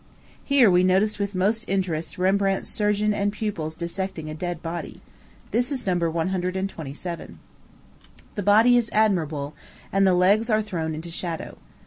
Here we noticed with most interest Rembrandt's Surgeon and Pupils dissecting a dead Body. This is No. 127. The body is admirable, and the legs are thrown into shadow.